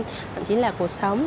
thậm chí là cuộc sống